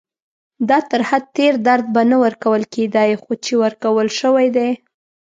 دا تر حد تېر درد به نه ورکول کېدای، خو چې ورکول شوی دی.